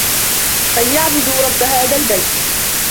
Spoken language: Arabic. فَليَعبُدوا رَبَّ هذَا البَيتِ